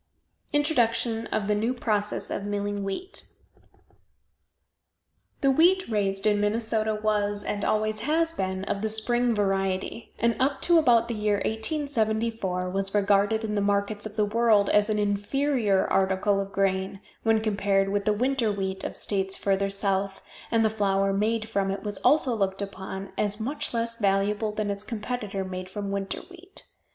INTRODUCTION OF THE NEW PROCESS OF MILLING WHEAT. The wheat raised in Minnesota was, and always has been, of the spring variety, and up to about the year 1874 was regarded in the markets of the world as an inferior article of grain, when compared with the winter wheat of states further south, and the flour made from it was also looked upon as much less valuable than its competitor, made from winter wheat.